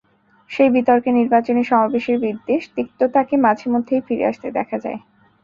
সেই বিতর্কে নির্বাচনী সমাবেশের বিদ্বেষ, তিক্ততাকে মাঝেমধ্যেই ফিরে আসতে দেখা যায়।